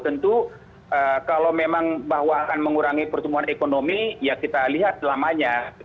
tentu kalau memang bahwa akan mengurangi pertumbuhan ekonomi ya kita lihat selamanya